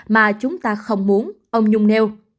mà chúng ta không muốn ông nhung nêu